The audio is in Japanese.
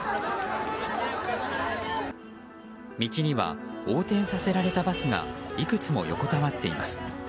道には、横転させられたバスがいくつも横たわっています。